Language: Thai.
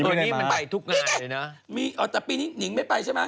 กระเทยเก่งกว่าเออแสดงความเป็นเจ้าข้าว